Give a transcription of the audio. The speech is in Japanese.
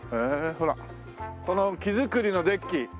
ほらこの木造りのデッキ。